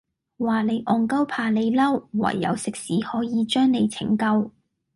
話你戇鳩怕你嬲，唯有食屎可以將你拯救